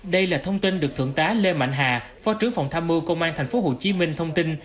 đây là thông tin được thượng tá lê mạnh hà phó trướng phòng tham mưu công an tp hcm thông tin